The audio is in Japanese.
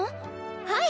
はい！